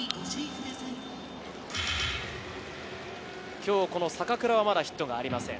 今日、この坂倉はまだヒットがありません。